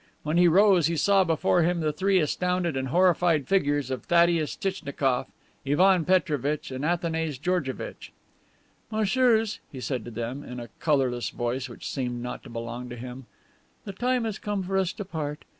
When he rose he saw before him the three astounded and horrified figures of Thaddeus Tchitchnikoff, Ivan Petrovitch and Athanase Georgevitch. "Messieurs," he said to them, in a colorless voice which seemed not to belong to him, "the time has come for us to part.